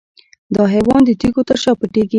دا حیوان د تیږو تر شا پټیږي.